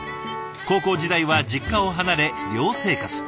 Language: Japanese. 高校時代は実家を離れ寮生活。